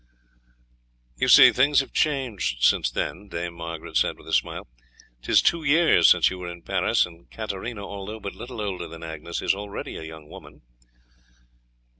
"You see, things have changed since then," Dame Margaret said with a smile; "'tis two years since you were in Paris, and Katarina, although but little older than Agnes, is already a young woman.